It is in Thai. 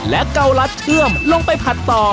และเกาลัดเชื่อมลงไปผัดต่อ